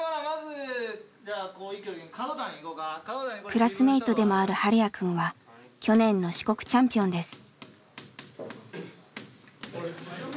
クラスメイトでもあるハルヤくんは去年の四国チャンピオンです。